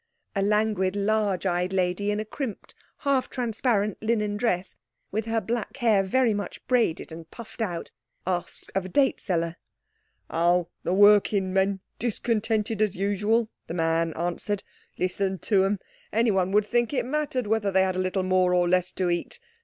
a languid, large eyed lady in a crimped, half transparent linen dress, with her black hair very much braided and puffed out, asked of a date seller. "Oh, the working men—discontented as usual," the man answered. "Listen to them. Anyone would think it mattered whether they had a little more or less to eat.